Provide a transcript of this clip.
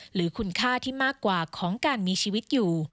หรือคุณค่าที่มากกว่าของการมีชีวิตอยู่